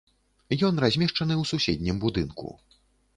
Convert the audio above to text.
Ён размешчаны ў суседнім будынку.